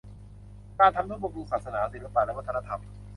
การทำนุบำรุงศาสนา ศิลปะและวัฒนธรรม